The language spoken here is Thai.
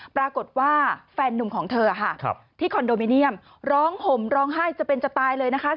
แฟนนุ่มของเธอค่ะที่คอนโดมิเนียมร้องห่มร้องไห้จะเป็นจะตายเลยนะคะ